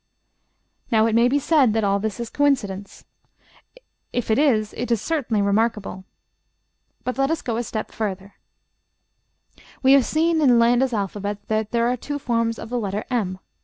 Now it may be said that all this is coincidence. If it is, it is certainly remarkable. But let us go a step farther: We have seen in Landa's alphabet that there are two forms of the letter m.